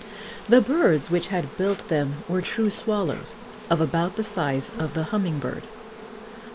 The birds which had built them were true swallows, of about the size of the humming bird.